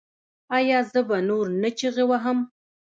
ایا زه به نور نه چیغې وهم؟